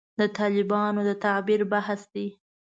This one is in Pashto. د طالبانو د تعبیر بحث دی.